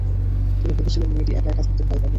তিনি ভেবেছিলেন, মেয়েটি এক-একা থাকতে ভয় পাবে।